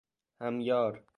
همیار